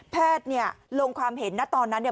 แพทย์เนี่ยลงความเห็นนะตอนนั้นเนี่ย